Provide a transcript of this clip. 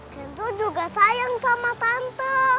tinto juga sayang sama tante